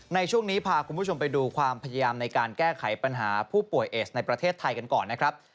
ในช่วงนี้พาคุณผู้ชมไปดูความพยายามในการแก้ไขปัญหาผู้ป่วยเอสในประเทศไทยกันก่อนนะครับ